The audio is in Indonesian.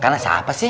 karena siapa sih